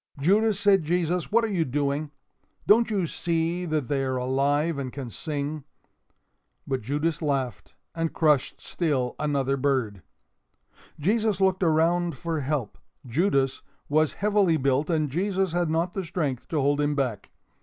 "Judas," said Jesus, "what are you doing? Don't you see that they are alive and can sing?" But Judas laughed and crushed still another bird. Jesus looked around for help. Judas was heavily built and Jesus had not the strength to hold him back.